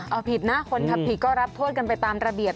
เอาผิดนะคนทำผิดก็รับโทษกันไปตามระเบียบ